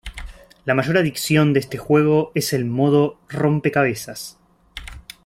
La mayor adición de este juego es el Modo Rompecabezas.